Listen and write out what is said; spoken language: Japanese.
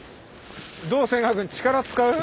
どう千賀君力使う？